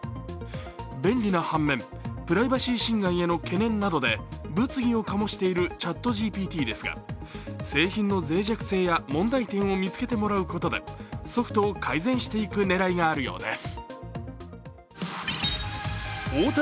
便利な反面、プライバシー侵害への懸念などで物議を醸しているＣｈａｔＧＰＴですが製品のぜい弱性や問題点を見つけてもらうことでソフトを改善していく狙いがあるようです。